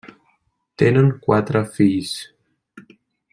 Tenen quatre fills.